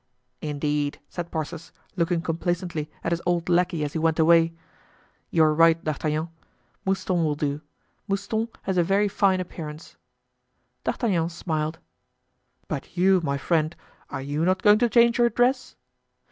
"Indeed," said Porthos, looking complacently at his old lackey as he went away, "you are right, D'Artagnan; Mouston will do; Mouston has a very fine appearance." D'Artagnan smiled. "But you, my friend—are you not going to change your dress?"